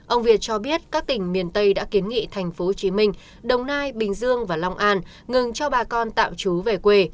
ông việt cho biết các tỉnh miền tây đã kiến nghị tp hcm đồng nai bình dương và long an ngừng cho bà con tạm trú về quê